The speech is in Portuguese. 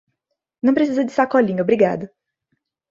Não precisa de sacolinha, obrigado.